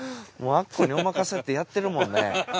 もう『アッコにおまかせ！』ってやってるもんね